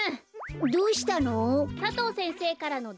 どうしたの？